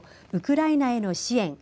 ウクライナへの支援